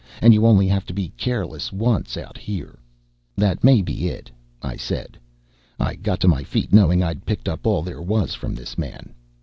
And you only have to be careless once out here." "That may be it," I said. I got to my feet, knowing I'd picked up all there was from this man.